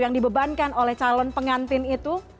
yang dibebankan oleh calon pengantin itu